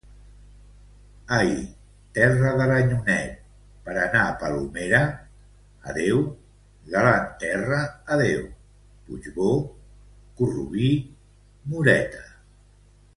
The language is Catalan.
Ai, terra d'Aranyonet, per anar a Palomera; adeu, galant terra, adeu... Puigbò, Corrubí, Moreta.